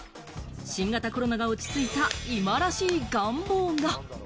新型コロナが落ち着いた今らしい願望が。